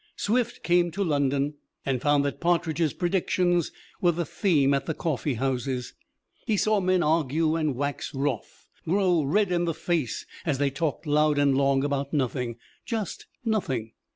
Swift came to London and found that Partridge's predictions were the theme at the coffeehouses. He saw men argue and wax wroth, grow red in the face as they talked loud and long about nothing just nothing.